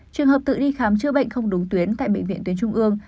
trường hợp tự đi khám chữa bệnh không đúng tuyến tại bệnh viện tuyến trung ương